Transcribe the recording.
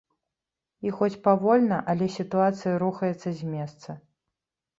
І хоць павольна, але сітуацыя рухаецца з месца.